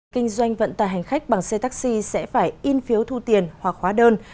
kinh doanh vận tài hành khách bằng xe taxi sẽ phải in phiếu thu tiền hoặc hóa đơn